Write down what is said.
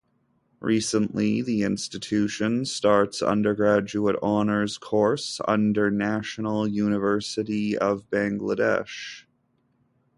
Recently the institution starts undergraduate honours course under National University of Bangladesh.